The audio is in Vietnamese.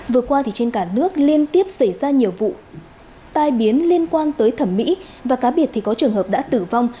vừa qua trên cả nước liên tiếp xảy ra nhiều vụ tai biến liên quan tới thẩm mỹ và cá biệt thì có trường hợp đã tử vong